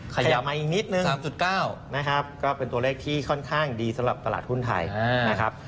ขยับมาอีกนิดนึง๙นะครับก็เป็นตัวเลขที่ค่อนข้างดีสำหรับตลาดหุ้นไทยนะครับ